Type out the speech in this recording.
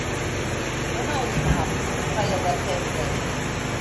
— Бына, исмаһам, Михайлалар шәп итә.